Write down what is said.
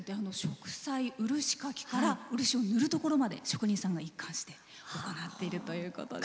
漆描きから漆を塗るところまで職人さんが一貫して行っているということです。